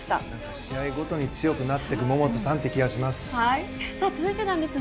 試合ごとに強くなっていく桃田さんという気がしました。